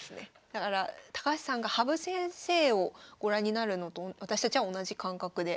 だから高橋さんが羽生先生をご覧になるのと私たちは同じ感覚で。